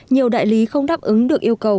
nhiều đại lý không đáp ứng được yêu cầu